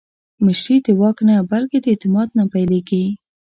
مشري د واک نه، بلکې د اعتماد نه پیلېږي